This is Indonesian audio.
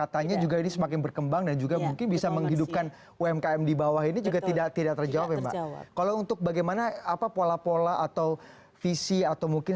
teman teman media kemarin